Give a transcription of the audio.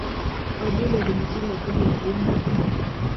Kwa ajili ya kujikinga dhidi ya kuumwa na mbu